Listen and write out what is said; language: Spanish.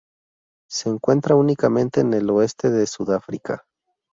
Se encuentra únicamente en el oeste de Sudáfrica.